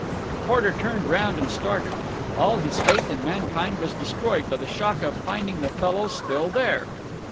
The porter turned round and started. All his faith in mankind was destroyed by the shock of finding the fellow still there.